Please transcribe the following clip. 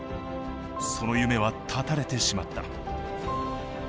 その夢は断たれてしまった。